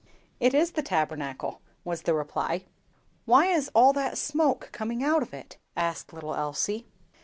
"It is the Tabernacle," was the reply. "Why is all that smoke coming out of it?" asked little Elsie.